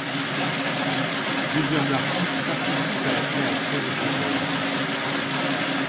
Plusieurs artistes participent à la création de cette œuvre.